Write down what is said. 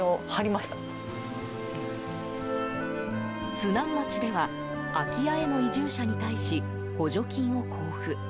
津南町では、空き家への移住者に対し補助金を交付。